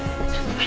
はい。